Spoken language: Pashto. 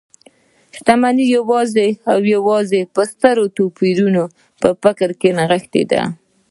شتمنۍ يوازې او يوازې په ستر او توپيري فکر کې نغښتي ده .